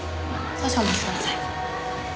少々お待ちください。